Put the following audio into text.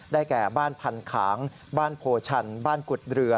แก่บ้านพันขางบ้านโพชันบ้านกุฎเรือ